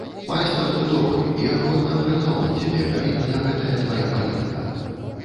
Майстар ты добры, і ахвотна прыняў бы цябе, калі б не гэтая твая палітыка.